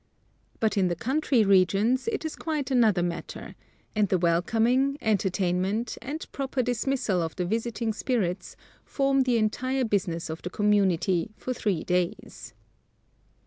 But in the country regions it is quite another matter, and the welcoming, entertainment, and proper dismissal of the visiting spirits form the entire business of the community for three days.